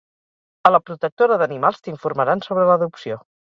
A la protectora d'animals t'informaran sobre l'adopció.